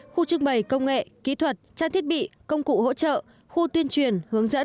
khu trưng bày công nghệ kỹ thuật trang thiết bị công cụ hỗ trợ khu tuyên truyền hướng dẫn